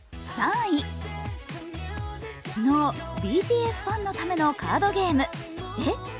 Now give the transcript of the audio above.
昨日、ＢＴＳファンのためのカードゲーム「え！